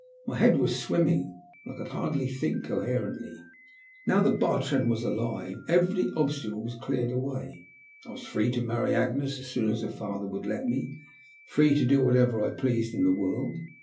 My head was swimming, and I could hardly think coherently. Now that Bartrand was alive, every obstacle was cleared away — I was free to marry Agnes as soon as her father would let me ; free to do whatever I pleased in the world.